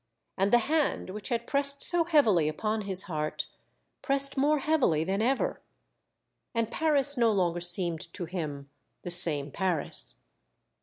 And the hand which had pressed so heavily upon his heart, pressed more heavily than ever. And Paris no longer seemed to him the same Paris.